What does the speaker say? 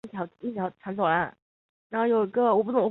宗祠和祭祀文化的兴盛是宁化人祖先崇拜的标志。